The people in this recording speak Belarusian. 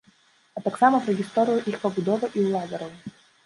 А таксама пра гісторыю іх пабудовы і уладароў.